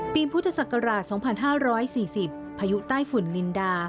พุทธศักราช๒๕๔๐พายุใต้ฝุ่นนินดา